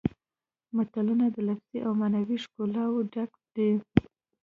متلونه د لفظي او معنوي ښکلاوو ډک دي